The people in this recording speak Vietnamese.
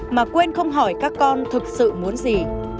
mà quên không hỏi các con thực sự muốn gì